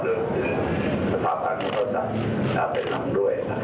และถึงสถาบันที่เขาสรรค์เป็นทั้งด้วยนะครับ